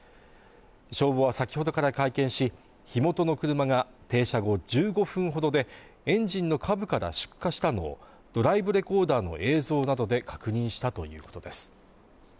消防は先ほどから会見し火元の車が停車後１５分ほどでエンジンの下部から出火したのをドライブレコーダーの映像などで確認したということです